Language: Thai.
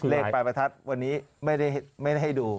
เลขปลายประทัดวันนี้ไม่ได้ให้ดู